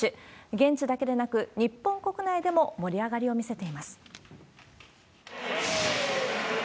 現地だけでなく、日本国内でも盛り上がりを見せています。